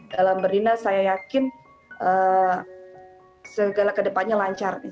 dalam berdina saya yakin segala kedepannya lancar